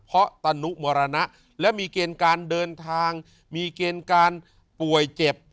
เพราะตนุมรณะและมีเกณฑ์การเดินทางมีเกณฑ์การป่วยเจ็บ